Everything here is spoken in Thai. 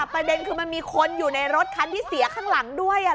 ประเด็นคือมันมีคนอยู่ในรถคันที่เสียข้างหลังด้วย